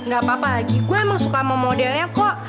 gak apa apa lagi gue emang suka sama modelnya kok